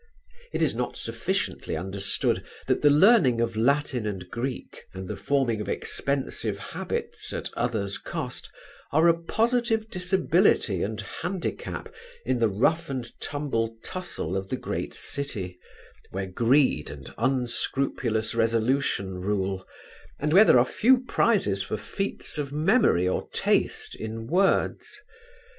It is not sufficiently understood that the learning of Latin and Greek and the forming of expensive habits at others' cost are a positive disability and handicap in the rough and tumble tussle of the great city, where greed and unscrupulous resolution rule, and where there are few prizes for feats of memory or taste in words.